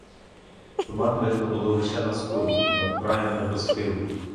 Туман видно було лише на сході понад краєм небосхилу.